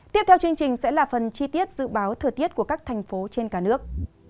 tiếp theo chương trình sẽ là phần chi tiết dự báo thời tiết của các thành phố trên cả nước